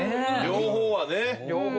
両方はね。